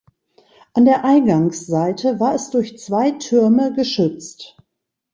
An der Eingangsseite war es durch zwei Türme geschützt.